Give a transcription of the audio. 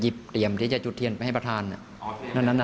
ช่วงนั้นเนี่ยมองคนที่จะไปจุดเทียนชนวนให้พระธานอยู่